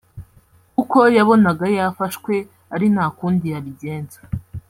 kuko yabonaga yafashwe ari nta kundi yabigenza